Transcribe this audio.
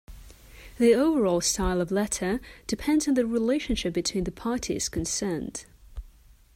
The overall style of letter depends on the relationship between the parties concerned.